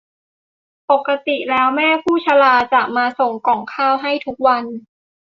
ปกติแล้วแม่ผู้ชราจะมาส่งก่องข้าวให้ทุกวัน